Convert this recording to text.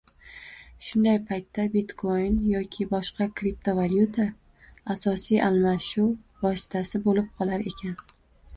Shunday paytda, bitkoin yoki boshqa kriptovalyuta asosiy almashuv vositasi bo‘lib qolar ekan.